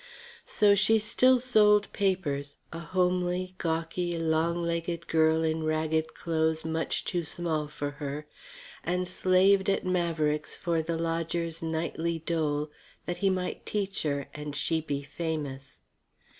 So she still sold papers, a homely, gawky, long legged girl in ragged clothes much too small for her, and slaved at Maverick's for the lodger's nightly dole that he might teach her and she be famous.